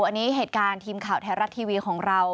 อันนี้เหตุการณ์ทีมข่าวไทยรัฐทีวีของเรา